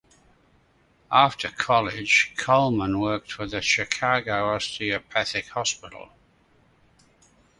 After college, Coleman worked for the Chicago Osteopathic Hospital.